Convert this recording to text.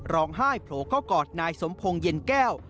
ร้องไห้โผล่เข้ากอดนายสมพงศ์เย็นแก้ว